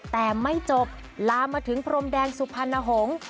แต่ไม่จบลามมาถึงพรมแดนสุพรรณหงษ์